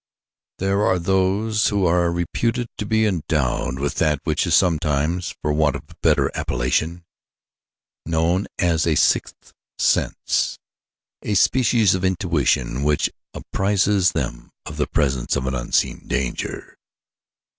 There are those who are reputed to be endowed with that which is sometimes, for want of a better appellation, known as the sixth sense a species of intuition which apprises them of the presence of an unseen danger.